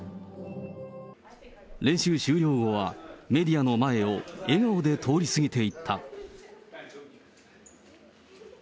練習終了後は、メディアの前を笑顔で通り過ぎていった。